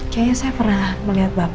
kayanya saya pernah melihat bapak deh